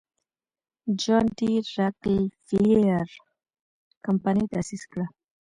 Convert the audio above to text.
جان ډي راکلفیلر کمپنۍ تاسیس کړه.